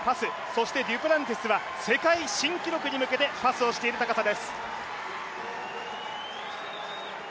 そしてデュプランティスは世界新記録に向けてパスをしている高さです。